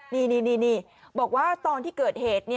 นี่บอกว่าตอนที่เกิดเหตุ